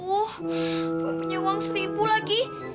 uh kau punya uang seribu lagi